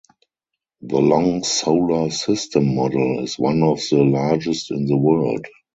The long solar system model is one of the largest in the world.